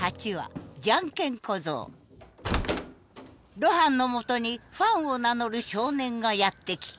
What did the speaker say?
露伴のもとにファンを名乗る少年がやって来た。